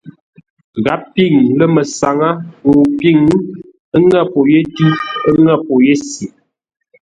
Gháp pîŋ lə̂ məsáŋə́ ŋuu pîŋ, ə́ ŋə̂ pô yé tʉ́, ə́ ŋə̂ pô yé se.